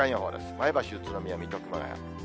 前橋、宇都宮、水戸、熊谷。